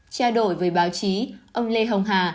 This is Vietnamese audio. trao đổi với báo chí ông lê hồng hà